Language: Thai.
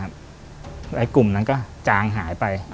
แล้วกลุ่มนั้นก็จางหายไป